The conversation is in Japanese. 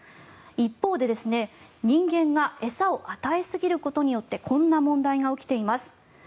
一方で人間が餌を与えすぎることによってこんな問題が起きています。